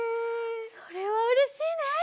それはうれしいね！